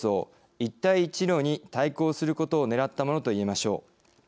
一帯一路に対抗することを狙ったものといえましょう。